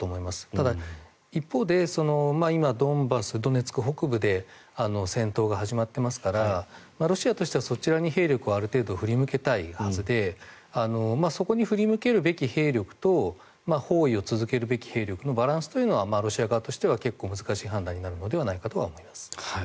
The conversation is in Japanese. ただ、一方で今ドンバス、ドネツク北部で戦闘が始まっていますからロシアとしてはそちらにある程度兵力を振り向けたいはずでそこに振り向けるべき兵力と包囲を続けるべき兵力とロシア側としては結構難しい判断になるのではと思います。